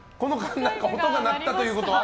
音が鳴ったということは？